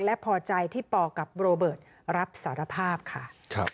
และพอใจที่ปกับโรเบิร์ตรับสารภาพค่ะ